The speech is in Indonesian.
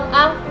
baik pak bos